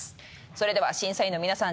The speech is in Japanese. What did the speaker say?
それでは審査員の皆さん